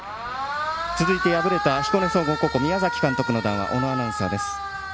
続いて敗れた彦根総合高校宮崎監督の談話小野アナウンサーです。